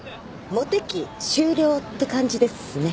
モテ期終了って感じですね。